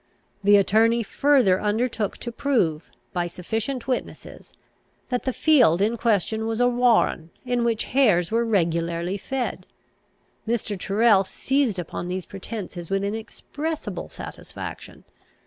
The attorney further undertook to prove, by sufficient witnesses, that the field in question was a warren in which hares were regularly fed. Mr. Tyrrel seized upon these pretences with inexpressible satisfaction.